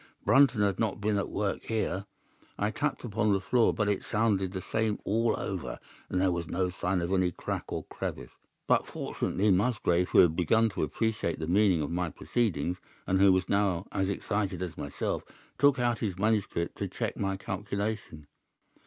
Brunton had not been at work here. I tapped upon the floor, but it sounded the same all over, and there was no sign of any crack or crevice. But, fortunately, Musgrave, who had begun to appreciate the meaning of my proceedings, and who was now as excited as myself, took out his manuscript to check my calculation.